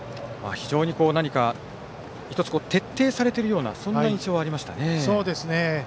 何か１つ徹底されているようなそんな印象がありましたね。